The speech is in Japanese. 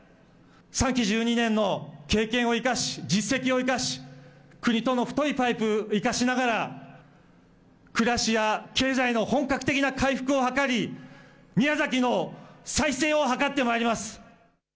３期１２年の経験を生かし、実績を生かし、国との太いパイプ生かしながら暮らしや経済の本格的な回復を図り、宮崎の再生を図ってまいります。